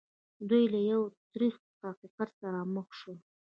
دوی له یو تریخ حقیقت سره مخ شول